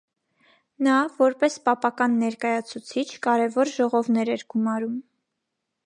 Նա, որպես պապական ներկայացուցիչ, կարևոր ժողովներ էր գումարում։